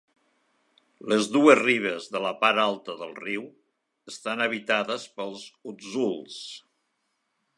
Les dues ribes de la part alta del riu estan habitades pels Hutsuls.